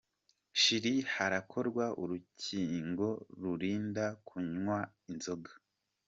shiri Harakorwa urukingo rurinda kunywa inzoga